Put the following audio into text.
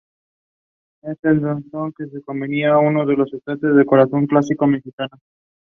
Este danzón se convertiría en uno de los estándares del danzón clásico mexicano.